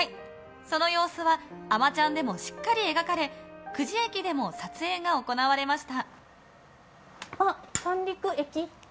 その様子は「あまちゃん」でもしっかり描かれ久慈駅でも撮影が行われました。